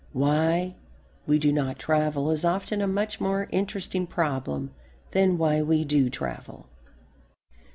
Why we do not travel is often a much more interesting problem than why we do travel.